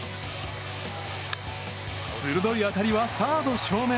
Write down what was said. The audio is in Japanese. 鋭い当たりはサード正面。